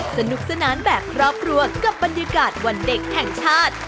สนุกสนานแบบครอบครัวกับบรรยากาศวันเด็กแห่งชาติ